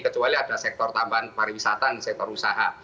kecuali ada sektor tambahan pariwisata dan sektor usaha